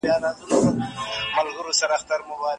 که ښوونکی عادل وي، زده کوونکي نه ناهیلي کېږي.